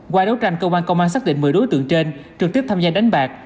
qua đấu tranh cơ quan công an xác định một mươi đối tượng trên trực tiếp tham gia đánh bạc